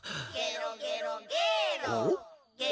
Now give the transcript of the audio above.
・ゲロゲロゲロ。